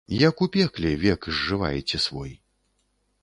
Як у пекле, век зжываеце свой.